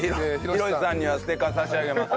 ひろしさんにはステッカー差し上げます。